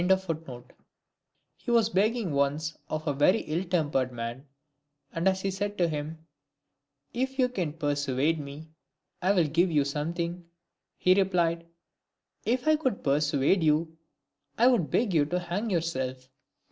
"f He was begging once of a very ill tempered man, and as he said to him, " If you can persuade me, I will give you something;" he replied, " If I could persuade you, I would beg you to hang yourself."